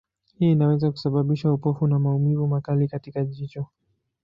Hii inaweza kusababisha upofu na maumivu makali katika jicho.